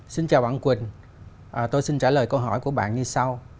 xin chào bạn quỳnh tôi xin trả lời câu hỏi của bạn như sau